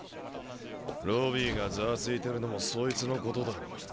ロビーがざわついてるのもそいつのことだろ。